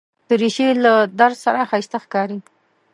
دریشي له درز سره ښایسته ښکاري.